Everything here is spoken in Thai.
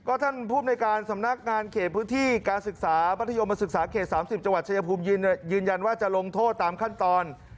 ท่านภูมิในการสำนักงานเขตพื้นที่การศึกษามัธยมศึกษาเขต๓๐จังหวัดชายภูมิยืนยันว่าจะลงโทษตามขั้นตอน